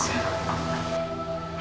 aku kasian sama kamu nih